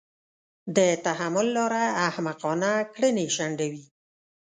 د تحمل لاره احمقانه کړنې شنډوي.